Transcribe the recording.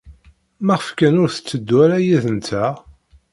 Maɣef kan ur tetteddu ara yid-nteɣ?